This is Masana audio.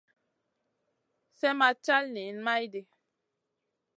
Slèh ma cal niyn maydi.